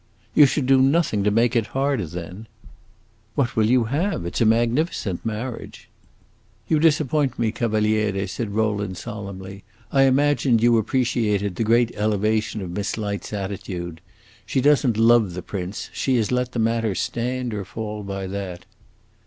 "You should do nothing to make it harder, then." "What will you have? It 's a magnificent marriage." "You disappoint me, Cavaliere," said Rowland, solemnly. "I imagined you appreciated the great elevation of Miss Light's attitude. She does n't love the prince; she has let the matter stand or fall by that."